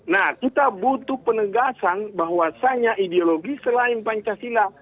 nah kita butuh penegasan bahwasanya ideologi selain pancasila